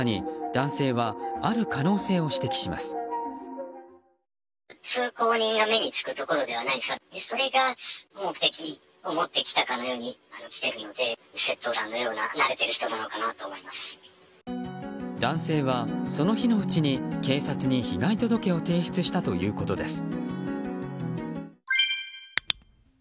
男性は、その日のうちに警察に被害届を提出したということです。